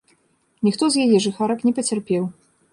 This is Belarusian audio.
Ніхто з яе жыхарак не пацярпеў.